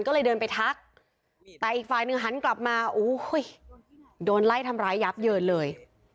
ก็เลยเดินไปทักแต่อีกฝ่ายหนึ่งหันกลับมาโอ้โหโดนไล่ทำร้ายยับเยินเลย